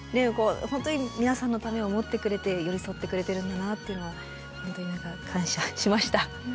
本当に皆さんのためを思ってくれて寄り添ってくれてるんだなっていうのは本当に何か感謝しました。